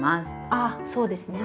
あっそうですね。